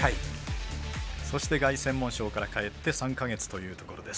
そして、凱旋門賞から帰って３か月というところです。